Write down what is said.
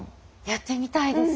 やってみたいです。